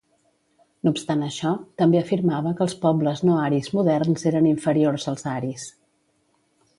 No obstant això, també afirmava que els pobles no aris moderns eren inferiors als aris.